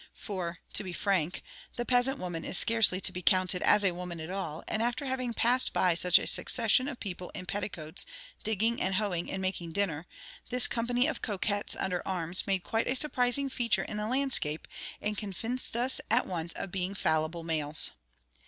For, to be frank, the peasant woman is scarcely to be counted as a woman at all, and after having passed by such a succession of people in petticoats digging and hoeing and making dinner, this company of coquettes under arms made quite a surprising feature in the landscape, and convinced us at once of being fallible males.